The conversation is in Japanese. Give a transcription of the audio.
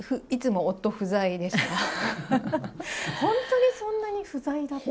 いや、本当にそんなに不在だったん